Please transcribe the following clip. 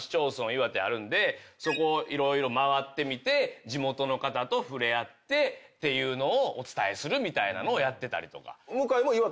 岩手あるんでそこを色々回って地元の方と触れ合ってっていうのをお伝えするみたいなのをやってたりとか。